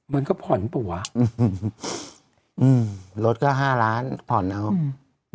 มันก็ผ่อนป่ะวะอือรถก็๕ล้านผ่อนแล้วอือ